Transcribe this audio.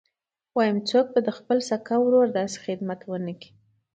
وايم څوک به د خپل سکه ورور داسې خدمت ونه کي.